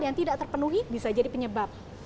yang tidak terpenuhi bisa jadi penyebab